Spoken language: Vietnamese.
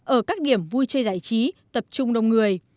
ở các điểm vui chơi giải trí tập trung đông người